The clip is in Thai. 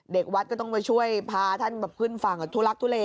เด็กวัดก็ต้องไปช่วยพาท่านขึ้นฝั่งทุลักทุเล